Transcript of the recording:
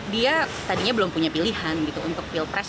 dia tadinya belum punya pilihan gitu untuk pilpres